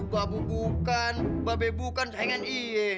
bapu bukan babi bukan saingan iye